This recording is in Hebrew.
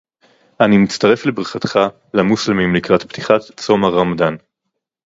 אני מצטרף לברכתך למוסלמים לקראת פתיחת צום הרמדאן